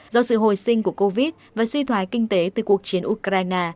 do sự hồi sinh của covid và suy thoái kinh tế từ cuộc chiến ukraine